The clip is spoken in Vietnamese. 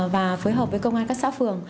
và phối hợp với công an các xã phường